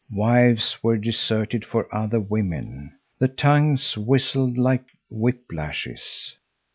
Wives were deserted for other women. The tongues whistled like whip lashes.